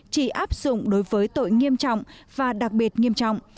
chỉ áp dụng đối với tội nghiêm trọng và đặc biệt nghiêm trọng